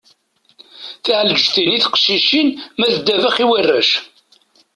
Tiɛleǧtin i teqcicin ma d ddabax i warrac.